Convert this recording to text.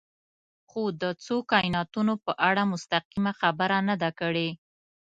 خو د څو کایناتونو په اړه مستقیمه خبره نه ده کړې.